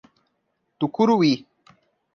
Tucuruí